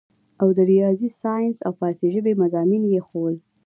او د رياضي سائنس او فارسي ژبې مضامين ئې ښودل